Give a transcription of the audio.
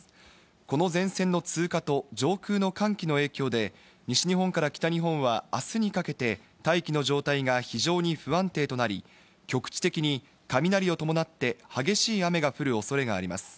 この前線の通過と上空の寒気の影響で、西日本から北日本はあすにかけて大気の状態が非常に不安定となり、局地的に雷を伴って激しい雨が降るおそれがあります。